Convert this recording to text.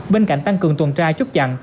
bên cạnh tăng cường tuần tra chốt chặn